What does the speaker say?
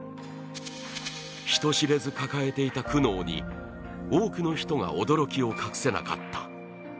人知れず抱えていた苦悩に多くの人が驚きを隠せなかった。